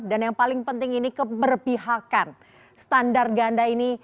dan yang paling penting ini keberpihakan standar ganda ini